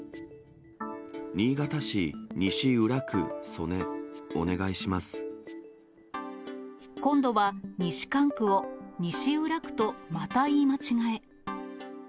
新潟市西うら区曽根、お願い今度は、西蒲区を西うら区と、また言い間違え。